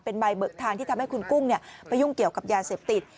เป็นใบเบิกทางที่ทำให้คุณกุ้งไปยุ่งเกี่ยวกับยาเสพติด